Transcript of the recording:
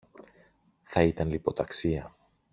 Θα ήταν λιποταξία!